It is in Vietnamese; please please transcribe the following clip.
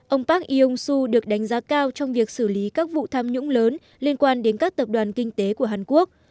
ông park iung su được đánh giá cao trong việc xử lý các vụ tham nhũng lớn liên quan đến các tập đoàn kinh tế của hàn quốc